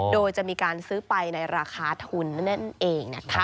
โดยจะมีการซื้อไปในราคาทุนนั่นเองนะคะ